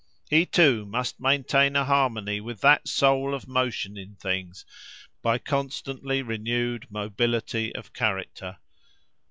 He too must maintain a harmony with that soul of motion in things, by constantly renewed mobility of character.